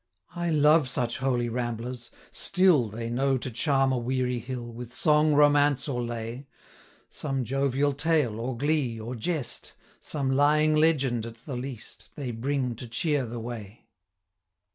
I love such holy ramblers; still 430 They know to charm a weary hill, With song, romance, or lay: Some jovial tale, or glee, or jest, Some lying legend, at the least, They bring to cheer the way.'